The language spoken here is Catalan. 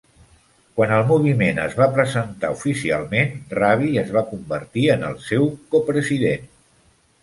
Quan el moviment es va presentar oficialment, Raby es va convertir en el seu copresident.